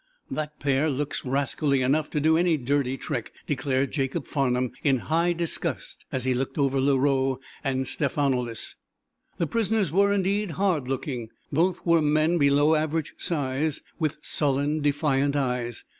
"That pair look rascally enough to do any dirty trick," declared Jacob Farnum, in high disgust, as he looked over Leroux and Stephanoulis. The prisoners were, indeed, "hard hooking." Both were men below average size, with sullen, defiant eyes.